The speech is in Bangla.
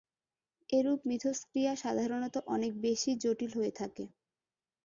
এরূপ মিথস্ক্রিয়া সাধারণত অনেক বেশি জটিল হয়ে থাকে।